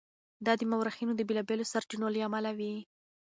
دا د مورخینو د بېلابېلو سرچینو له امله وي.